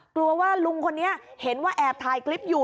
กลัวว่าลุงคนนี้เห็นว่าแอบถ่ายคลิปอยู่